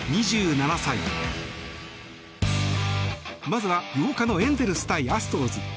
まずは８日のエンゼルス対アストロズ。